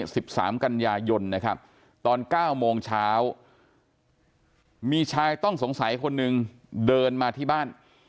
สิบสามกันยายนนะครับตอนเก้าโมงเช้ามีชายต้องสงสัยคนหนึ่งเดินมาที่บ้าน